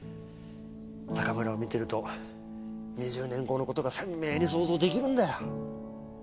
高村を見てると２０年後のことが鮮明に想像できるんだよ。